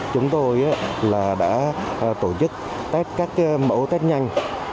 chúng tôi đã tổ chức các mẫu tét nhanh